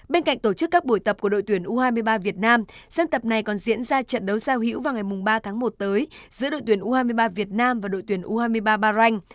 bên cạnh tổ chức các buổi tập của đội tuyển u hai mươi ba việt nam sân tập này còn diễn ra trận đấu giao hữu vào ngày ba tháng một tới giữa đội tuyển u hai mươi ba việt nam và đội tuyển u hai mươi ba bahrain